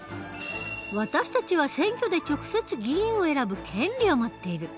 私たちは選挙で直接議員を選ぶ権利を持っている。